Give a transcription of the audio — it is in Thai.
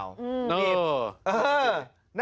อืมผิดเออ